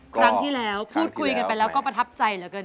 ครั้งที่แล้วพูดคุยกันไปแล้วก็ประทับใจเหลือเกิน